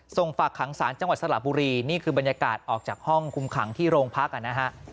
ฝากขังศาลจังหวัดสระบุรีนี่คือบรรยากาศออกจากห้องคุมขังที่โรงพักนะฮะ